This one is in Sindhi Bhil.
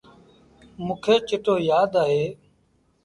موݩ کي چتو يآد اهي۔